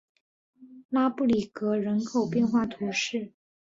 拉布里格人口变化图示